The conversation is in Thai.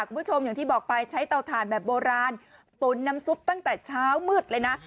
คุณผู้ชมอย่างที่บอกไปใช้เตาถ่านแบบโบราณตุ๋นน้ำซุปตั้งแต่เช้ามืดเลยนะ